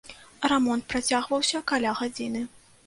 Рамонт працягваўся каля гадзіны.